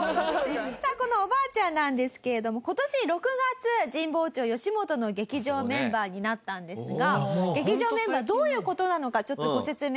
さあこのおばあちゃんなんですけれども今年６月神保町よしもとの劇場メンバーになったんですが劇場メンバーどういう事なのかちょっとご説明させて頂きます。